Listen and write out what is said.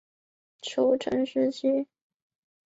宋朝始步入安稳守成时期。